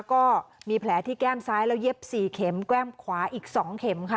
ก็มีแผลที่แก้มซ้ายแล้วเย็บ๔เข็มแก้มขวาอีก๒เข็มค่ะ